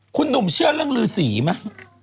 คุณหนุ่มเชื่อเรื่องฤษีมั้ย